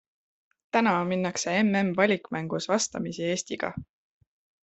Täna minnakse MM-valikmängus vastamisi Eestiga.